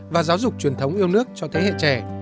và giáo dục truyền thống yêu nước cho thế hệ trẻ